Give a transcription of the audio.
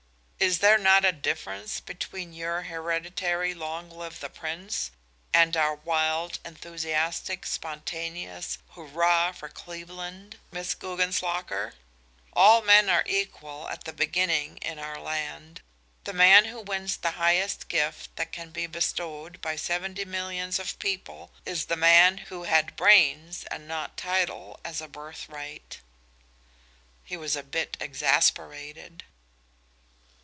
Is there not a difference between your hereditary 'Long live the Prince' and our wild, enthusiastic, spontaneous 'Hurrah for Cleveland!' Miss Guggenslocker? All men are equal at the beginning in our land. The man who wins the highest gift that can be bestowed by seventy millions of people is the man who had brains and not title as a birthright." He was a bit exasperated.